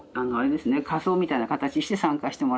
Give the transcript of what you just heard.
仮装みたいな形して参加してもらって。